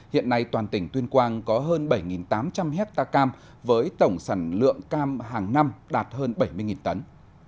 hiện nay toàn tỉnh tuyên quang có hơn bảy tám trăm linh hectare cam với tổng sản lượng cam hàng năm đạt hơn bảy mươi tấn